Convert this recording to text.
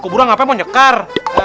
keburan ngapain mau nyekar